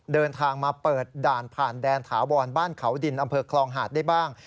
เดินทางมาเปิดด่านผ่านแดนถาวรบ้านเขาดินอำเภอคลองหาดได้บ้าง